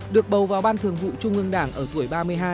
được bầu vào ban thường vụ trung ương đảng ở tuổi ba mươi hai